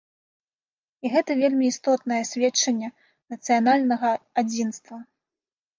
І гэта вельмі істотнае сведчанне нацыянальнага адзінства.